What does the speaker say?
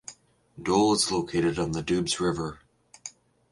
Dole is located on the Doubs River.